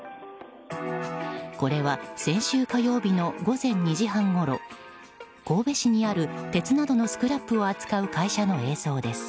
これは先週火曜日の午前２時半ごろ神戸市にある鉄などのスクラップを扱う会社の映像です。